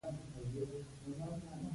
ډېر ویل د قران ښه دی.